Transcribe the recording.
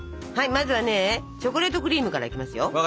まずはねチョコレートクリームからいきますよ。